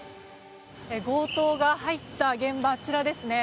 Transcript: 強盗が入った現場あちらですね。